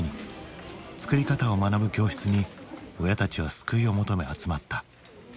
作り方を学ぶ教室に親たちは救いを求め集まった。